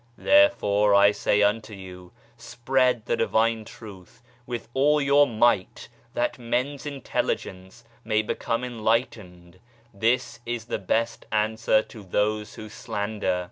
Therefore, I say unto you, spread the Divine Truth with all your might that men's Intelligence may become enlightened ; this is the best answer to those who slander.